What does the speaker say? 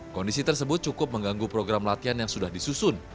kondisi tersebut cukup mengganggu program latihan yang sudah disusun